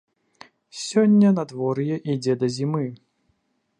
Сёння надвор'е ідзе да зімы.